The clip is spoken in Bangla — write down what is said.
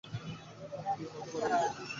কী হতে পারে সেটা?